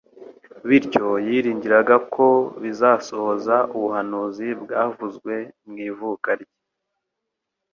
Bityo yiringiraga ko bizasohoza ubuhanuzi bwavuzwe mw'ivuka rye